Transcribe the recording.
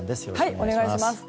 お願いします。